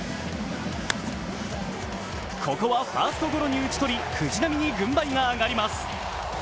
ここはファーストゴロに打ち取り、藤浪に軍配が上がります。